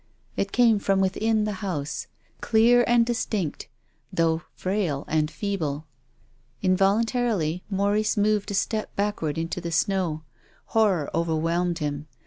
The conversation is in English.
It came from within the house, clear and distinct though frail and feeble. Involuntarily Maurice moved a step backward into the snow. Horror overwhelmed him.